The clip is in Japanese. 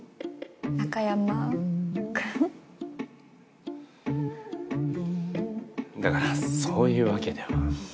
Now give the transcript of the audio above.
中山くん？だからそういうわけでは。